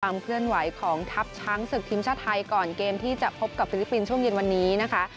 เคลื่อนไหวของทัพช้างศึกทีมชาติไทยก่อนเกมที่จะพบกับฟิลิปปินส์ช่วงเย็นวันนี้นะคะ